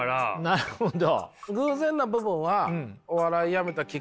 なるほど。